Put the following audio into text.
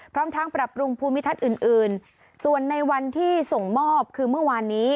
พร้อมทั้งปรับปรุงภูมิทัศน์อื่นอื่นส่วนในวันที่ส่งมอบคือเมื่อวานนี้